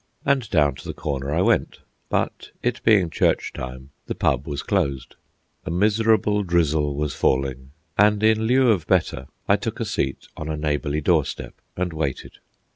And down to the corner I went, but, it being church time, the "pub" was closed. A miserable drizzle was falling, and, in lieu of better, I took a seat on a neighbourly doorstep and waited.